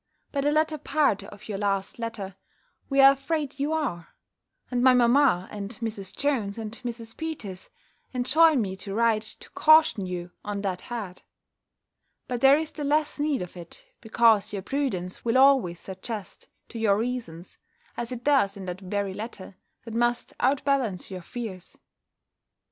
By the latter part of your last letter, we are afraid you are; and my mamma, and Mrs. Jones, and Mrs. Peters, enjoin me to write, to caution you on that head. But there is the less need of it, because your prudence will always suggest to you reasons, as it does in that very letter, that must out balance your fears.